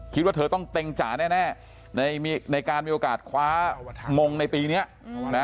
คิดว่าเธอต้องเต็งจ๋าแน่ในการมีโอกาสคว้างงในปีนี้นะ